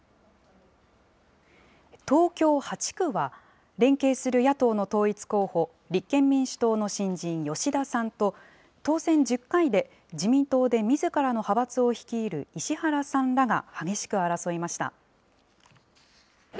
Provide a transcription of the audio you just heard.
東京８区は、連携する野党の統一候補、立憲民主党の新人、吉田さんと、当選１０回で自民党でみずからの派閥を率いる石原さんらが激しく争いました。